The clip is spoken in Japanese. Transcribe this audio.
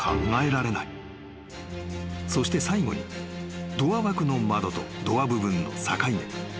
［そして最後にドア枠の窓とドア部分の境目］